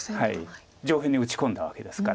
上辺に打ち込んだわけですから。